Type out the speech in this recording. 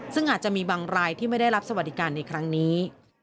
ซึ่งอาจจะมีบางรายที่ไม่ได้รับสวัสดิการในครั้งนี้